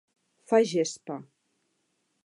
Fa gespa.